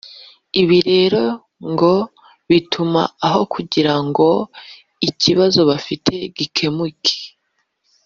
Ibi rero ngo bituma aho kugira ngo ikibazo bafite gikemuke